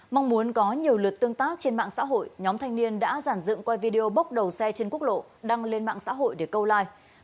mong muốn có nhiều lượt tương tác trên mạng xã hội nhóm thanh niên đã giản dựng quay video bốc đầu xe trên quốc lộ đăng lên mạng xã hội để câu like